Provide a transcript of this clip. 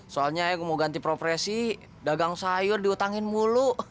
soalnya aku mau ganti profesi dagang sayur diutangin mulu